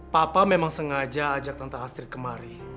papa memang sengaja ajak tentang astrid kemari